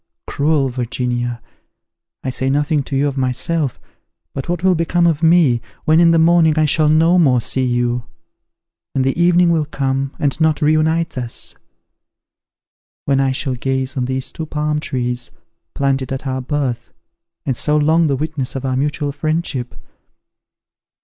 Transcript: Cruel Virginia! I say nothing to you of myself; but what will become of me, when in the morning I shall no more see you; when the evening will come, and not reunite us? when I shall gaze on these two palm trees, planted at our birth, and so long the witnesses of our mutual friendship?